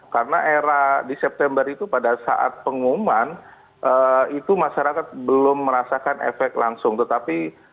karena era di september itu pada saat pengumuman itu masyarakat belum merasakan efek langsung tetapi